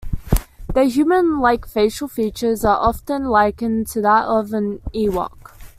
Their human-like facial features are often likened to that of an Ewok.